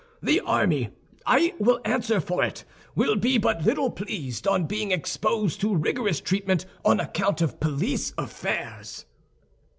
The army, I will answer for it, will be but little pleased at being exposed to rigorous treatment on account of police affairs."